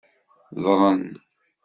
Ḍren.